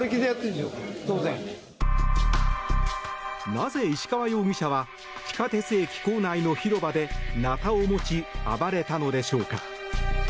なぜ、石川容疑者は地下鉄駅構内の広場でナタを持ち暴れたのでしょうか。